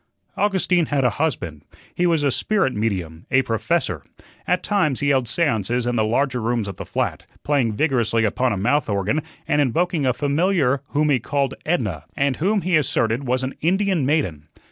Augustine had a husband. He was a spirit medium a "professor." At times he held seances in the larger rooms of the flat, playing vigorously upon a mouth organ and invoking a familiar whom he called "Edna," and whom he asserted was an Indian maiden.